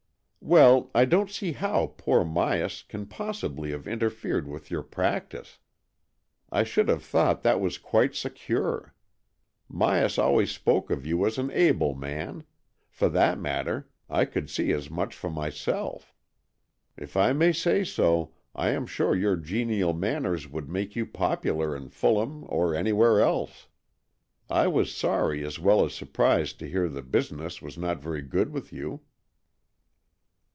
" ''Well, I don't see how poor Myas can possibly have interfered with your practice. I should have thought that was quite secure. Myas always spoke of you as an able man; for that matter, I could see as much' for my self. If I may say so, I am sure your genial manners would make you popular in Fulham or anywhere else. I was sorry as well as surprised to hear that business was not very good with you."